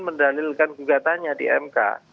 mendalilkan gugatannya di mk